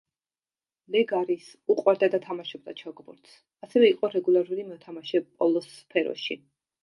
ლეგარის უყვარდა და თამაშობდა ჩოგბურთს, ასევე იყო რეგულარული მოთამაშე პოლოს სფეროში.